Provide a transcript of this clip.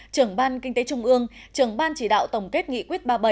trưởng ban kinh tế trung ương trưởng ban chỉ đạo tổng kết nghị quyết ba mươi bảy